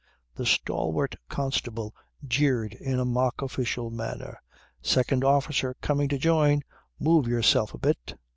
The stalwart constable jeered in a mock official manner. "Second officer coming to join. Move yourself a bit."